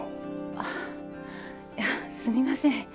あっいやすみません。